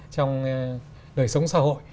trong đời sống xã hội